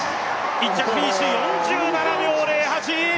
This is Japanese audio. １着フィニッシュ４７秒０８。